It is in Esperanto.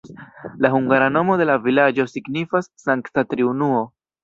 La hungara nomo de la vilaĝo signifas Sankta Triunuo.